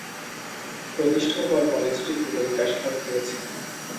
প্রতিষ্ঠার পর থেকে কলেজটি দ্রুত বিকাশ লাভ করেছে।